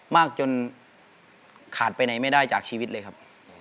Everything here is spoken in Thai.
มากจนขาดไปไหนไม่ได้จากชีวิตเลยครับ